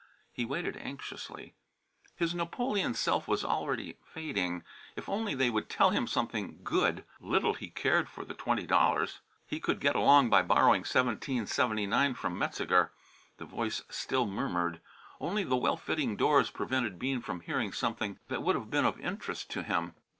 He waited anxiously. His Napoleon self was already fading. If only they would tell him something "good." Little he cared for the twenty dollars. He could get along by borrowing seventeen seventy nine from Metzeger. The voice still murmured. Only the well fitting doors prevented Bean from hearing something that would have been of interest to him.